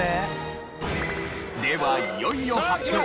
ではいよいよ発表。